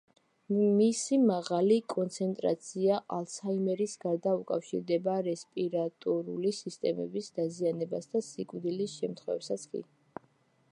მისი მაღალი კონცენტრაცია ალცჰაიმერის გარდა, უკავშირდება რესპირატორული სისტემების დაზიანებას და სიკვდილის შემთხვევებსაც კი.